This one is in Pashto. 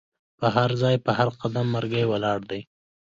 په هرځای په هر قدم مرګی ولاړ دی